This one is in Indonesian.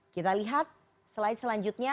kita lihat slide selanjutnya